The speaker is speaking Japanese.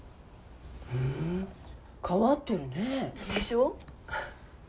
ふん変わってるね。でしょ。